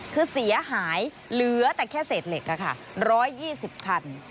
คือเสียหายเหลือแต่แค่เศษเหล็ก๑๒๐คัน